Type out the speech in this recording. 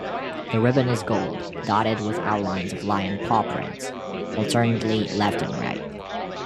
The ribbon is gold, dotted with outlines of lion pawprints, alternately left and right.